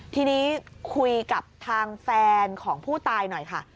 ทีนี้คุยกับทางแฟนของผู้ตายหน่อยค่ะ